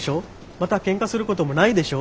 またケンカすることもないでしょ？